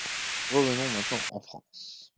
Revenons maintenant en France.